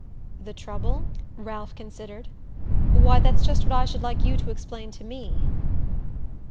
"The trouble?" Ralph considered. "Why, that's just what I should like you to explain to me."